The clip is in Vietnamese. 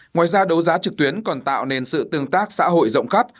ngoài ra đấu giá trực tuyến còn tạo nên sự tương tác xã hội rộng khắp